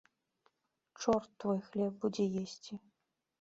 Чорт твой хлеб будзе есці!